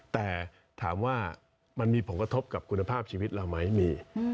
แต่ถามว่ามันมีผลกระทบกับคุณภาพชีวิตเราไหมมี